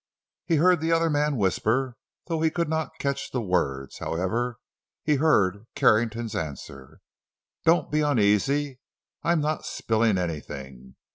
He heard the other man whisper, though he could not catch the words. However, he heard Carrington's answer: "Don't be uneasy—I'm not 'spilling' anything.